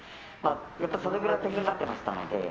やっぱりそれくらい天狗になってましたので。